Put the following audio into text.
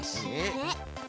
えっ。